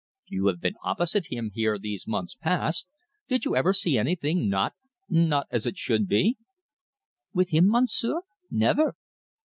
"You have been opposite him here these months past did you ever see anything not not as it should be?" "With him, Monsieur? Never."